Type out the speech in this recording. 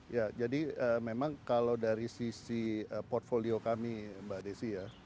ya jadi memang kalau dari sisi portfolio kami mbak desi ya